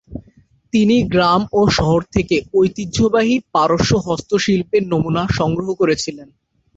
তিনি গ্রাম ও শহর থেকে ঐতিহ্যবাহী পারস্য হস্তশিল্পের নমুনা সংগ্রহ করেছিলেন।